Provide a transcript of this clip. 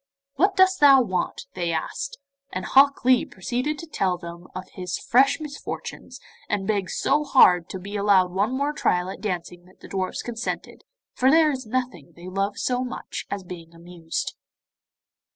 'What dost thou want?' they asked; and Hok Lee proceeded to tell them of his fresh misfortunes, and begged so hard to be allowed one more trial at dancing that the dwarfs consented, for there is nothing they love so much as being amused.